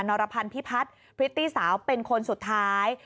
รพันธ์พิพัฒน์พริตตี้สาวเป็นคนสุดท้าย